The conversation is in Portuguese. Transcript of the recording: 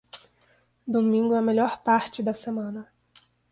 Domingo é a melhor parte da semana.